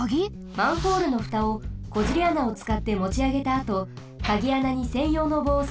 マンホールのふたをコジリ穴をつかってもちあげたあとカギ穴にせんようのぼうをさしこみます。